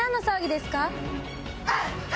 あっ！